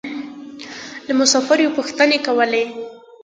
له مسافرو يې پوښتنې کولې.